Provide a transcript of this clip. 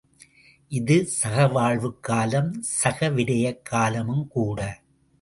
இது சகவாழ்வுக் காலம், சகவிரயக் காலமும் கூட.